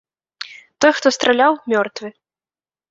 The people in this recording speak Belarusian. Той, хто страляў, мёртвы.